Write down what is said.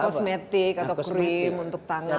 kosmetik atau krim untuk tangan